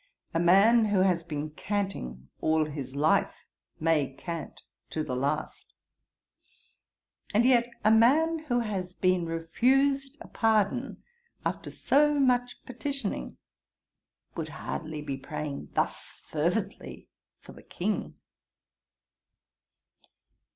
A man who has been canting all his life, may cant to the last. And yet a man who has been refused a pardon after so much petitioning, would hardly be praying thus fervently for the King.'